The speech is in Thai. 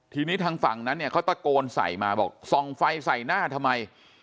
ทีนี้ทางฝั่งนั้นเนี่ยเขาตะโกนใส่มาบอกส่องไฟใส่หน้าทำไม